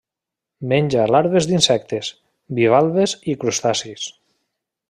Menja larves d'insectes, bivalves i crustacis.